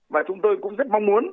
và chúng tôi cũng rất mong muốn